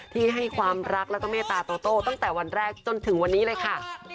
ที่ให้ความรักแล้วก็เมตตาโตโต้ตั้งแต่วันแรกจนถึงวันนี้เลยค่ะ